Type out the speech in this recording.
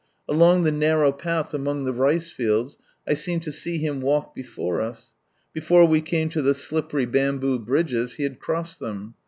Along the narrow path among the rice fields, I seemed to see Him walk before us. Before we came to the sUppety bamboo bridges. He had crossed them.